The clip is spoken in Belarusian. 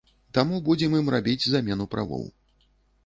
Таму будзем ім рабіць замену правоў.